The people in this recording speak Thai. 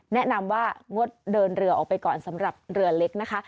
แนะนำว่างดเดินเรือออกไปก่อนสำหรับเรือเล็กนะคะ